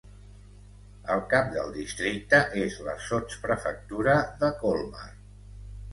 El cap del districte és la sotsprefectura de Colmar.